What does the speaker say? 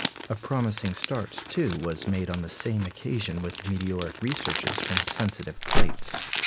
A promising start, too, was made on the same occasion with meteoric researches from sensitive plates.